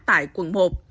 tại quận một